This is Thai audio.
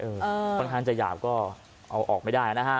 อื้อภรรภัณฑ์จะหยาบก็เอาออกไม่ได้นะฮะ